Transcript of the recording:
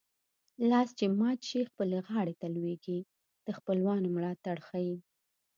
لاس چې مات شي خپلې غاړې ته لوېږي د خپلوانو ملاتړ ښيي